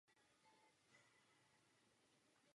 Uvedu jen jeden příklad z oblasti nahrávek.